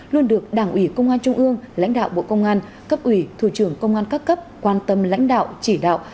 luôn được đảng ủy công an trung ương lãnh đạo bộ công an cấp ủy thủ trưởng công an các cấp quan tâm lãnh đạo chỉ đạo